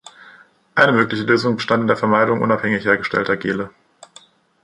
Eine mögliche Lösung bestand in der Vermeidung unabhängig hergestellter Gele.